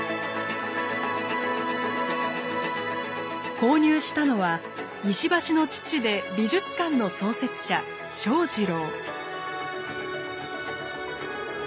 購入したのは石橋の父で美術館の創設者正二郎。